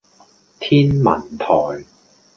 天文台